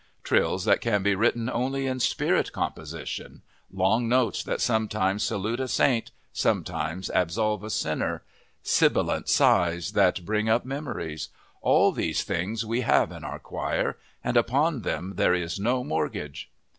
Trills that can be written only in spirit composition long notes that sometimes salute a saint, sometimes absolve a sinner sibilant sighs that bring up memories all these things we have in our choir, and upon them there is no mortgage!